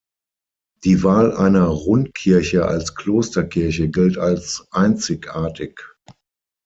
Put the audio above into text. Die Wahl einer Rundkirche als Klosterkirche gilt als einzigartig.